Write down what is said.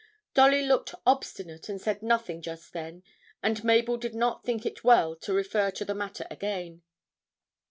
Dolly looked obstinate and said nothing just then, and Mabel did not think it well to refer to the matter again.